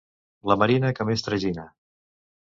La marina que més tragina.